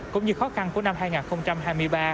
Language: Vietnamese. cũng như khó khăn của năm hai nghìn hai mươi ba